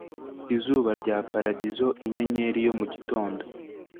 Izuba rya paradizo inyenyeri yo mu gitondo